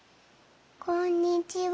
こんにちは。